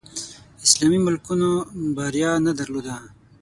اسلامي ملکونو بریا نه درلوده